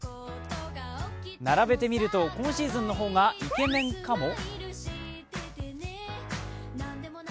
並べてみると今シーズンの方がイケメンかも？